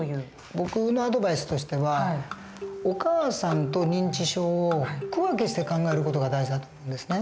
僕のアドバイスとしてはお母さんと認知症を区分けして考える事が大事だと思うんですね。